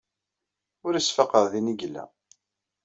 Ur as-faqeɣ din ay yella.